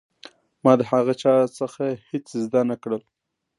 ما د هغه چا څخه هېڅ زده نه کړل.